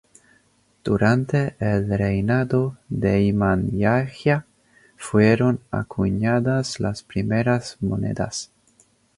Durante el reinado de Iman Yahya, fueron acuñadas las primeras monedas.